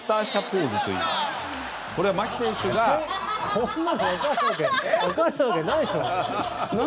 こんなのわかるわけないじゃない！